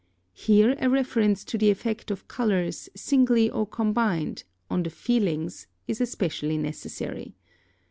Here a reference to the effect of colours singly or combined, on the feelings, is especially necessary.